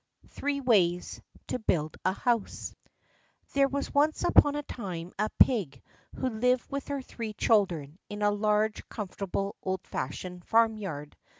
Three Ways to Build a House There was once upon a time a pig who lived with her three children in a large, comfortable, old fashioned farmyard.